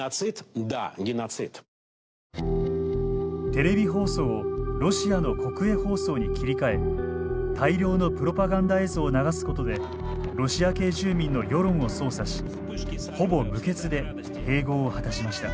テレビ放送をロシアの国営放送に切り替え大量のプロパガンダ映像を流すことでロシア系住民の世論を操作しほぼ無血で併合を果たしました。